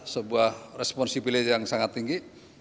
sebuah responsibility yang sangat tinggi